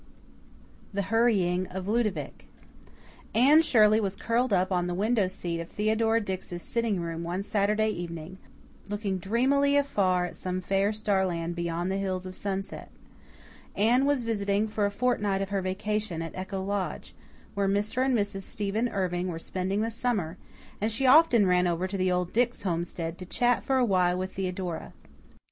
The Hurrying of Ludovic Anne Shirley was curled up on the window seat of Theodora Dix's sitting room one Saturday evening, looking dreamily afar at some fair starland beyond the hills of sunset. Anne was visiting for a fortnight of her vacation at Echo Lodge, where Mr. and Mrs. Stephen Irving were spending the summer, and she often ran over to the old Dix homestead to chat for awhile with Theodora.